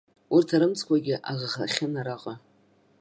Урҭ арымӡқәагьы аӷахахьан араҟа.